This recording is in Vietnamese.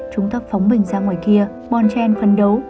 chúng ta phóng mình ra ngoài kia bon chen phân đấu